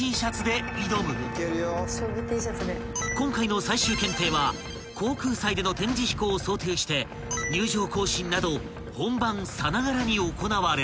［今回の最終検定は航空祭での展示飛行を想定して入場行進など本番さながらに行われる］